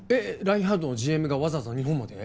ラインハルトのＧＭがわざわざ日本まで？